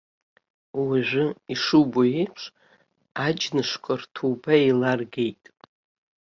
Уажәы, ишубо еиԥш, аџьнышқәа рҭоуба еиларгеит.